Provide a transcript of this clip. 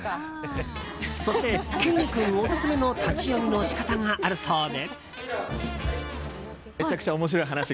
そして、きんに君オススメの立ち読みの仕方があるそうで。